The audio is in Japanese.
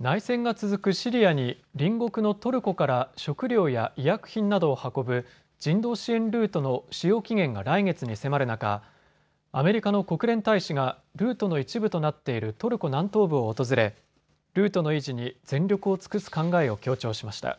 内戦が続くシリアに隣国のトルコから食料や医薬品などを運ぶ人道支援ルートの使用期限が来月に迫る中、アメリカの国連大使がルートの一部となっているトルコ南東部を訪れルートの維持に全力を尽くす考えを強調しました。